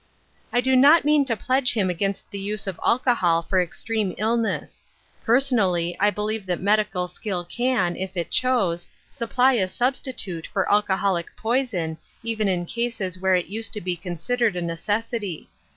" I do not mean to pledge him against the use of alcohol for extreme illness. Personally, I believe that medical skill can, if it choose, supply a sub stitute for alcoholic poison even in cases were it used to be considered a necessity.